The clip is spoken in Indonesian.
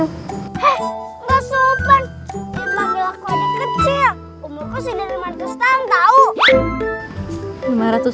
eh mbak sopan emang aku adik kecil umurku sih lima ratus tahun tau